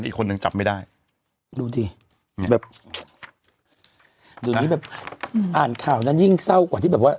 อีกคนนึงจับไม่ได้ดูดิแบบเดี๋ยวนี้แบบอ่านข่าวนั้นยิ่งเศร้ากว่าที่แบบว่า